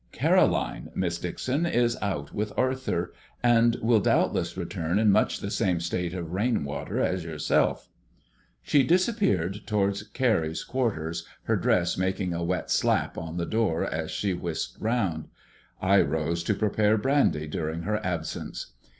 "Caroline, Miss Dixon, is out with Arthur, and will doubtless return in much the same state of rainwater as yourself." She disappeared towards Carrie's quarters, her dress making a wet slap on the door as she whisked round. I rose to prepare brandy during her absence.